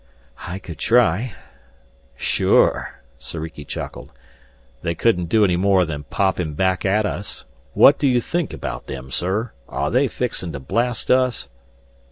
"I could try." "Sure," Soriki chuckled, "they couldn't do any more than pop him back at us. What do you think about them, sir? Are they fixing to blast us?"